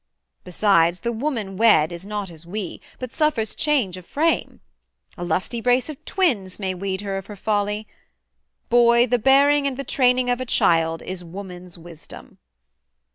Besides, the woman wed is not as we, But suffers change of frame. A lusty brace Of twins may weed her of her folly. Boy, The bearing and the training of a child Is woman's wisdom.'